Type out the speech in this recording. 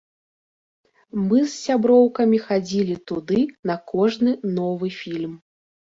Мы з сяброўкай хадзілі туды на кожны новы фільм.